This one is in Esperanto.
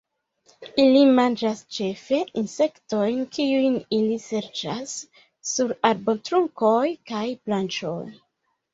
Ili manĝas ĉefe insektojn kiujn ili serĉas sur arbotrunkoj kaj branĉoj.